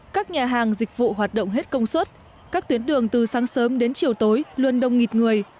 các nhà hàng dịch vụ hoạt động hết công suất các tuyến đường từ sáng sớm đến chiều tối luôn đông nghịt người